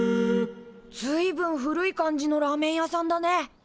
ずいぶん古い感じのラーメン屋さんだね。